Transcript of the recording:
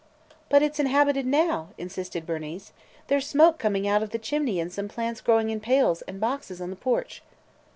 "But it 's inhabited now!" insisted Bernice. "There 's smoke coming out of the chimney and some plants growing in pails and boxes on the porch."